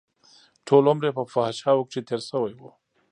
ټول عمر يې په فحشاوو کښې تېر شوى و.